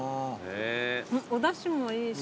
おだしもいいし。